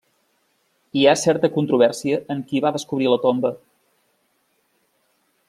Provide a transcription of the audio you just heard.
Hi ha certa controvèrsia en qui va descobrir la tomba.